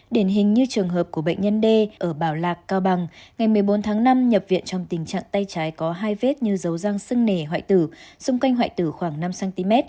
điển hình như trường hợp của bệnh nhân d ở bảo lạc cao bằng ngày một mươi bốn tháng năm nhập viện trong tình trạng tay trái có hai vết như dấu răng sưng nề hoại tử xung quanh hoại tử khoảng năm cm